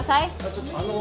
ちょっとあの。